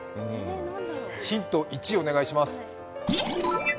ヒント１、お願いします。